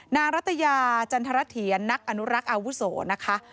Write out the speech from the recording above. รัตยาจันทรเถียรนักอนุรักษ์อาวุโสนะคะ